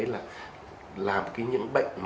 là những bệnh